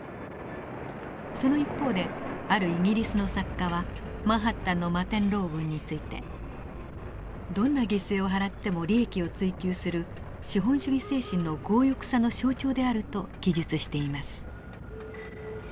その一方であるイギリスの作家はマンハッタンの摩天楼群について「どんな犠牲を払っても利益を追求する資本主義精神の強欲さの象徴である」と記述しています。